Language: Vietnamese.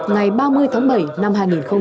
ngày ba mươi tháng bảy năm hai nghìn hai mươi